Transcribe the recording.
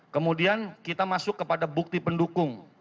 kemudian kita masuk kepada bukti pendukung